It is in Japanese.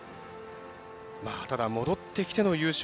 ただ、戻ってきての優勝。